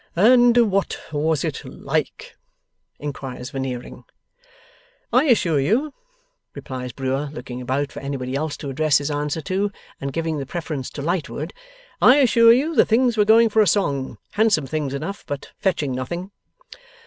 'And what was it like?' inquires Veneering. 'I assure you,' replies Brewer, looking about for anybody else to address his answer to, and giving the preference to Lightwood; 'I assure you, the things were going for a song. Handsome things enough, but fetching nothing.